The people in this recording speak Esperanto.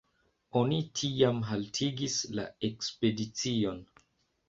Oni tiam haltigis la ekspedicion.